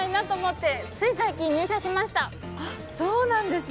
あっそうなんですね！